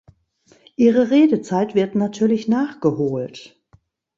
Ihre Redezeit wird natürlich nachgeholt.